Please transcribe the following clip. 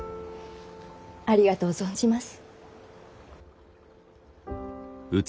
ありがとう存じます。